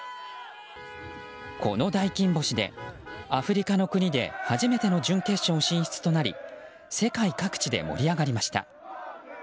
この大金星でアフリカの国で初めての準決勝進出となり世界各地で盛り上がりました。